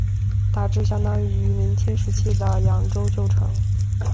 大致相当于明清时期的扬州旧城。